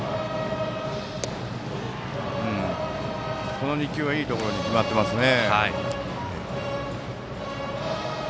この２球はいいところに決まっていますね。